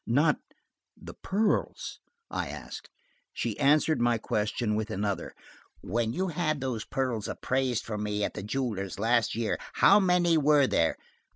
"Not–the pearls?" I asked. She answered my question with another. "When you had those pearls appraised for me at the jewelers last year, how many were there?"